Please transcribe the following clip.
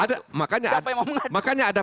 siapa yang mau mengadu makanya ada